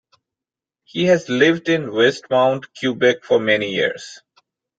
He has lived in Westmount, Quebec for many years.